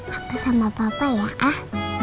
waktu sama papa ya ah